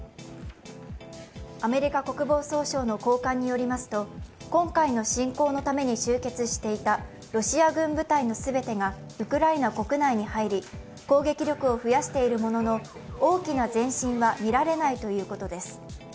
アメリカ国防総省の高官によりますと今回の侵攻のために集結していたロシア軍部隊の全てがウクライナ国内に入り攻撃力を増やしているものの大きな前進は見られないということです。